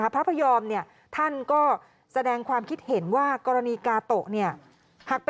พระพยอมท่านก็แสดงความคิดเห็นว่ากรณีกาโตะ